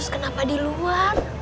terus kenapa di luar